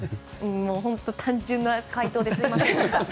本当、単純な回答ですみませんでした。